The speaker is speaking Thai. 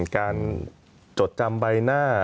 การจดจำใบหน้า